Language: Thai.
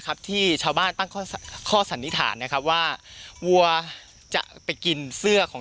ครับที่ชาวบ้านตั้งข้อสันนิษฐานนะครับว่าวัวจะไปกินเสื้อของ